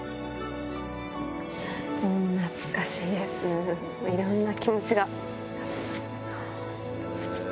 懐かしいです、いろんな気持ちが。